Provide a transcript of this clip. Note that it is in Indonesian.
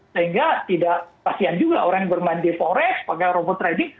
sehingga tidak pasien juga orang yang bermain di forex pakai robot trading